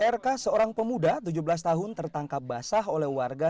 rk seorang pemuda tujuh belas tahun tertangkap basah oleh warga